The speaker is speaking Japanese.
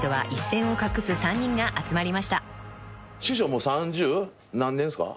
もう三十何年ですか？